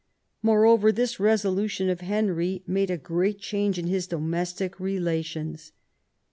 Moreover, this resolution of Henry made a great change in his domestic relations.